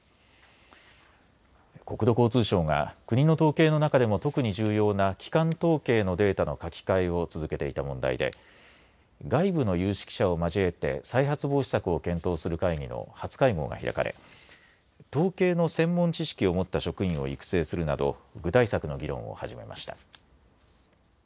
国土交通省が国の統計の中でも特に重要な基幹統計のデータの書き換えを続けていた問題で外部の有識者を交えて再発防止策を検討する会議の初会合が開かれ統計の専門知識を持った職員を育成するなど具体策の議論を始めました。